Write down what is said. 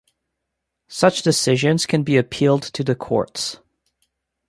Such decisions can be appealed to the courts.